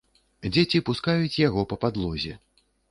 Дзеці пускаюць яго па падлозе.